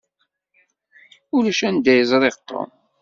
Ulac anda i ẓṛiɣ Tom.